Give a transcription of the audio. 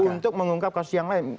untuk mengungkap kasus yang lain